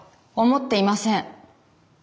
思っていません。